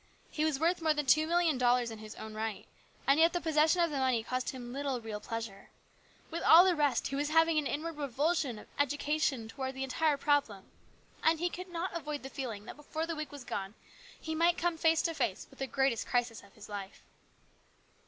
He was worth more than two million dollars in his own right, and yet the possession of the money caused him little real pleasure. With all the rest he was having an inward revolution of education toward the entire problem. And he could not avoid the feeling that before the week was gone he might come face to face with the greatest crisis of his life.